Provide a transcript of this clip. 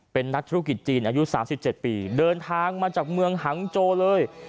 เป็นนักธุรกิจจีนอายุ๓๗ปีเดินทางมาจากเมืองหังโจเลย